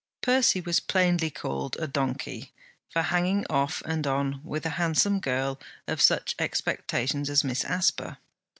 Percy was plainly called a donkey, for hanging off and on with a handsome girl of such expectations as Miss Asper.